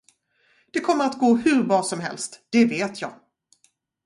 Det kommer att gå hur bra som helst, det vet jag.